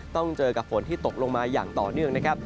ต้องเจอกับฝนที่ตกลงมาอย่างต่อเนื่องนะครับ